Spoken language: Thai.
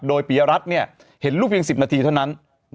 โดยปียรัฐเห็นลูกเพียง๑๐นาทีเท่านั้น